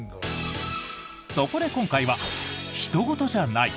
そこで今回はひと事じゃない！